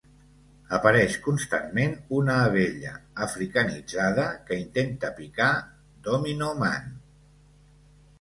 Apareix constantment una abella africanitzada que intenta picar Domino Man.